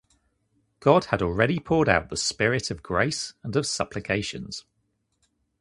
God had already poured out the Spirit of grace and of supplications.